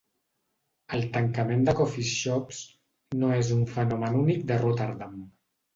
El tancament de "coffeeshops" no és un fenomen únic de Rotterdam.